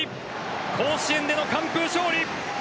甲子園での完封勝利。